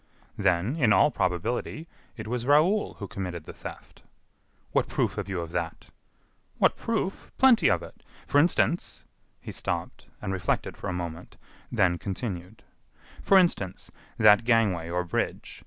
"Then, in all probability, it was Raoul who committed the theft." "What proof have you of that?" "What proof! Plenty of it....For instance " He stopped, and reflected for a moment, then continued: "For instance, that gangway or bridge.